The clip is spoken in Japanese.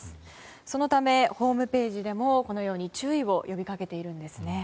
そのため、ホームページでも注意を呼びかけているんです。